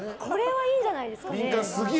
これはいいんじゃないですか。